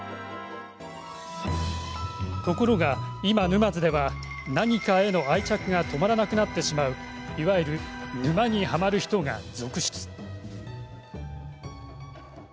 ところが今、沼津では何かへの愛着が止まらなくなってしまういわゆる、沼にハマる人が続出。